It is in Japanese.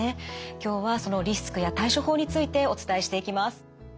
今日はそのリスクや対処法についてお伝えしていきます。